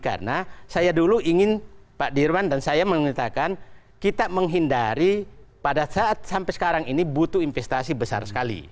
karena saya dulu ingin pak sudirman dan saya mengatakan kita menghindari pada saat sampai sekarang ini butuh investasi besar sekali